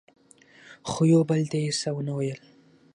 خو یو بل ته یې څه ونه ویل.